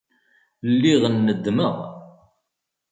Lliɣ neddmeɣ.